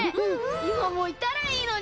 いまもいたらいいのに！